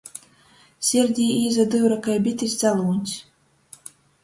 Sirdī īsadyure kai bitis dzalūņs.